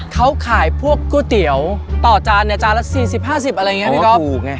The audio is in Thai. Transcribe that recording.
เค้าขายพวกกูเตี๋ยวต่อจานเนี่ยจานละ๔๐๕๐อะไรอย่างเงี้ยพี่กอล์ฟ